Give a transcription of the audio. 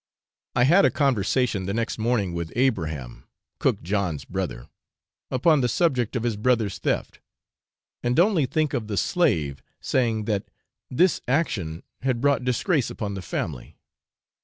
I had a conversation the next morning with Abraham, cook John's brother, upon the subject of his brother's theft; and only think of the slave saying that 'this action had brought disgrace upon the family.'